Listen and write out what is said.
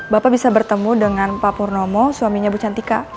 bapak bisa bertemu dengan pak purnomo suaminya bu cantika